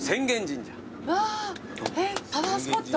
えっパワースポット？